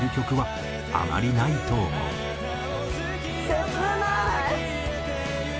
「切ない！」